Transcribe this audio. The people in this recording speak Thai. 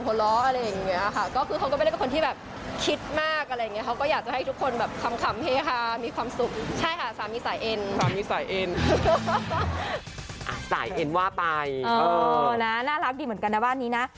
ชือนะน่ารักเดียวเหมือนกันแนะบ้านเนี้ย